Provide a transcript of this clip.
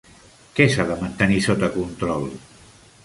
Què s'ha de mantenir sota control?